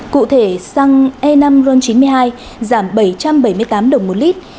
cụ thể xăng e năm ron chín mươi hai giảm bảy trăm bảy mươi tám đồng một lít